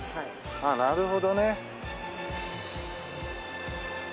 ああなるほどね。